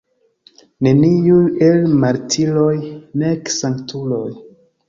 Neniuj el martiroj, nek sanktuloj.